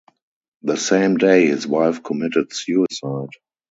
The same day his wife committed suicide.